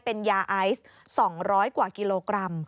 เป็นยาไอซ์๒๐๐กว่ากิโลกรัม